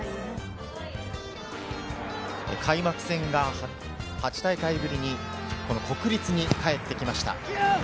開幕戦が８大会ぶりにこの国立に帰ってきました。